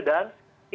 dan ini ditunjukkan